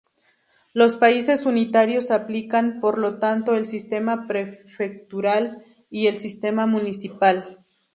Los países unitarios aplican, por lo tanto, el Sistema Prefectural y el Sistema Municipal.